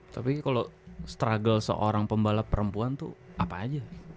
tapi kalo struggle seorang pembalap perempuan tuh apa aja